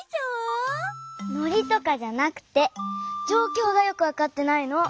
ノリとかじゃなくてじょうきょうがよくわかってないの。